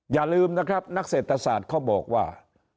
อย่าลืมนะครับนักเศรษฐศาสตร์เขาบอกว่า